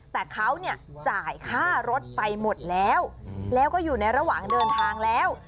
แต่เขาเนี่ยจ่ายค่ารถไปหมดแล้วแล้วก็อยู่ในระหว่างเดินทางแล้ว